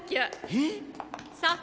えっ。